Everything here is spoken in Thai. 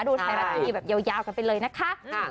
ดูแถวนี้แบบยาวกันไปเลยนะคะ